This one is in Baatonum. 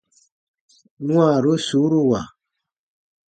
Wãaru suuruwa.